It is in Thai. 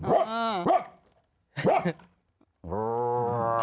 โอ๊ะ